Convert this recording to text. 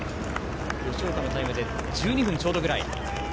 吉岡のタイムで１２分ちょうどくらい。